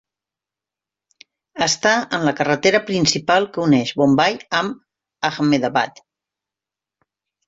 Està en la carretera principal que uneix Bombai amb Ahmedabad.